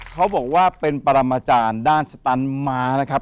เขาบอกว่าเป็นปรมาจารย์ด้านสตันม้านะครับ